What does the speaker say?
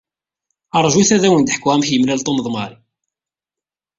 Rjut ad wen-d-ḥkuɣ amek yemlal Tom d Mary.